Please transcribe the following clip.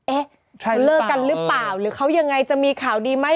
เลิกกันหรือเปล่าหรือเขายังไงจะมีข่าวดีไหม